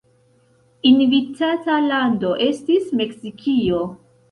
Invitata lando estis Meksikio.